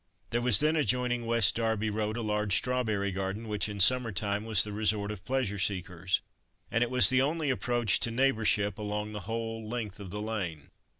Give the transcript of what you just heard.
There was then adjoining West Derby road a large strawberry garden, which in summer time was the resort of pleasure seekers, and it was the only approach to neighbourship along the whole length of the lane.